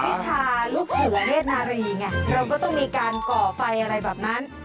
วิชาลูกเสือเวทนารีไงเราก็ต้องมีการก่อไฟอะไรแบบนั้น